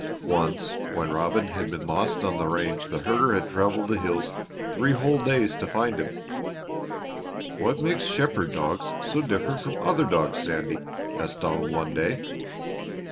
Once when Robin had been lost on the range the herder had traveled the hills three whole days to find him. "What makes shepherd dogs so different from other dogs, Sandy?" asked Donald one day.